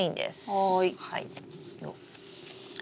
はい。